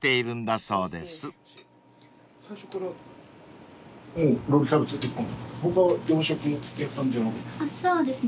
そうですね